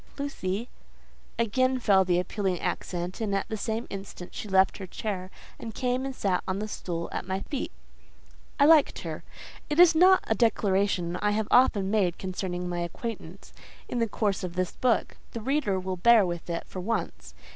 Lucy…." Again fell the appealing accent, and at the same instant she left her chair, and came and sat on the stool at my feet. I liked her. It is not a declaration I have often made concerning my acquaintance, in the course of this book: the reader will bear with it for once.